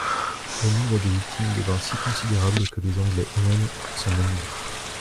Le nombre des victimes devint si considérable que les Anglais eux-mêmes s'en émurent.